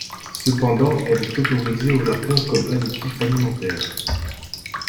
Cependant, elle est autorisée au Japon comme additif alimentaire.